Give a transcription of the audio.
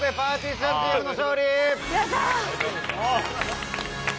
ちゃんチームの勝利やったー！